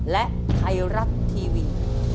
และไทยรัฐทีวี